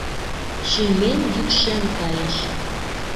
Шӱмем йӱкшен кайыш.